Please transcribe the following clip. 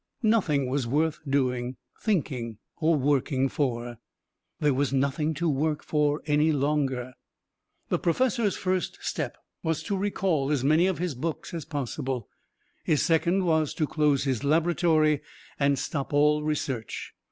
Nothing was worth doing, thinking, working for. There was nothing to work for any longer! The professor's first step was to recall as many of his books as possible; his second to close his laboratory and stop all research.